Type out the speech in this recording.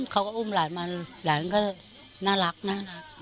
เขาก็อุ้มหลานมาหลานก็น่ารักนะ